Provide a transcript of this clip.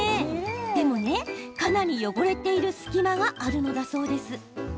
でも、かなり汚れている隙間があるのだそうです。